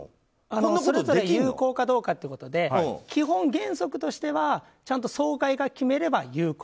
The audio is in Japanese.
それぞれ有効かどうかということで基本原則としてはちゃんと総会が決めれば有効。